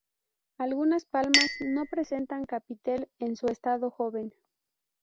Algunas palmas no presentan capitel en su estado joven.